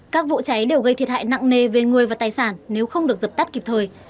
các vụ cháy đều gây thiệt hại nặng nề về người và tài sản nếu không được dập tắt kịp thời